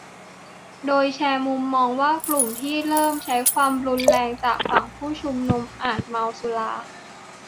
โดยแชร์มุมมองว่ากลุ่มที่เริ่มใช้ความรุนแรงจากฝั่งผู้ชุมนุมอาจเมาสุรา